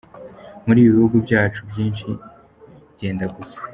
Muri ibi bihugu byacu byinshi byenda gusa.